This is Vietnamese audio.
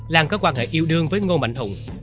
lan có quan hệ yêu đương với ngô mạnh hùng